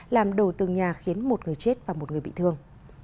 làm đổ tường nhà khiến một người chết và một người bị thương